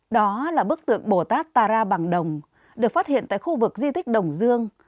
đó là bức tượng bồ tát tara bằng đồng được phát hiện tại khu vực di tích đồng dương